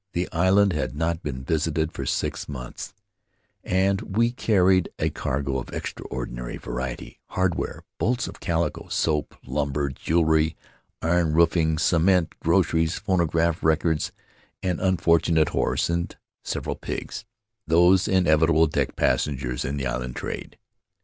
The island had not been visited for six months, and we carried a cargo of extraordinary variety — hardware, bolts of calico, soap, lumber, jewelry, iron roofing, cement, groceries, phonograph records, an unfortunate horse, and several pigs, those inevitable deck passengers in the island trade.